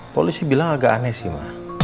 polisi bilang agak aneh sih